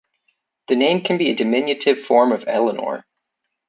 The name can be a diminutive form of Eleanor.